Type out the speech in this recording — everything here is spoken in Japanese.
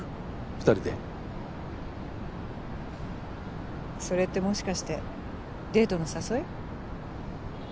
二人でそれってもしかしてデートの誘い？